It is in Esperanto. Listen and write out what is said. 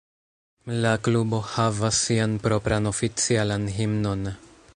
La klubo havas sian propran oficialan himnon.